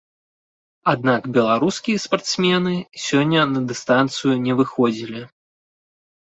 Аднак беларускія спартсмены сёння на дыстанцыю не выходзілі.